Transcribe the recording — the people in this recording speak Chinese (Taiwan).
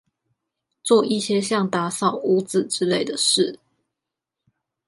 做一些像打掃屋子之類的事